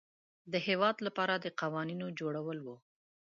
د هیواد لپاره د قوانینو جوړول وه.